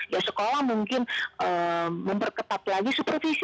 ya sekolah mungkin memperketat lagi supervisi